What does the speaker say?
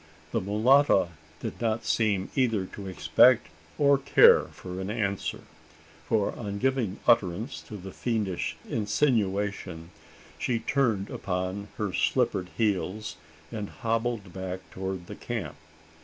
The mulatta did not seem either to expect, or care for an answer: for on giving utterance to the fiendish insinuation, she turned upon her slippered heels, and hobbled back towards the camp.